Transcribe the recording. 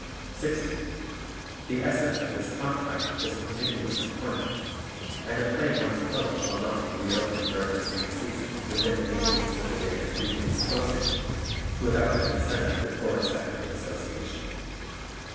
16. The essence of this contract is continuous employment and a play once closed shall not be re opened during the same season within eight weeks of the date of previous closing, without the consent of the Chorus Equity Association.